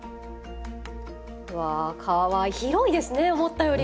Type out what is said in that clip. わ広いですね思ったより。